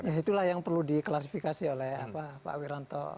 ya itulah yang perlu diklarifikasi oleh pak wiranto